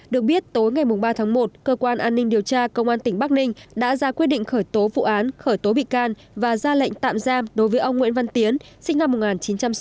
được biết tối ngày ba tháng một cơ quan an ninh điều tra công an tỉnh bắc ninh đã ra quyết định khởi tố vụ án khởi tố bị can và ra lệnh tạm giam đối với ông nguyễn văn tiến sinh năm một nghìn chín trăm sáu mươi